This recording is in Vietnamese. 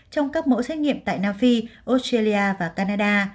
trong các mẫu xét nghiệm tại nam phi australia và canada